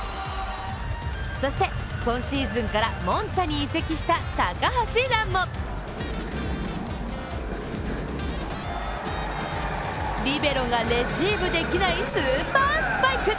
そして今シーズンからモンツァに移籍した高橋藍もリベロがレシーブできないスーパースパイク。